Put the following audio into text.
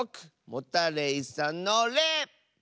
モタレイさんの「レ」！